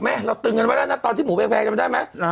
แหมเราตึงกันไปแล้วน่ะตอนที่หมูแพคแพงน่ะไหมอ้า